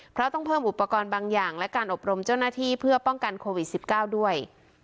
เพราะต้องเพิ่มอุปกรณ์บางอย่างและการอบรมเจ้าหน้าที่เพื่อป้องกันโควิด๑๙ด้วย